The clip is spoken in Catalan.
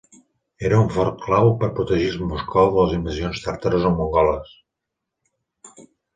Era un fort clau per protegir Moscou de les invasions tàrtares o mongoles.